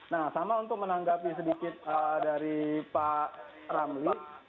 nah sama untuk menanggapi sedikit dari pak ramli